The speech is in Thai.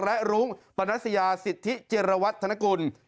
และรุ้งปนัสยาสิทธิเจรวัตธนกุล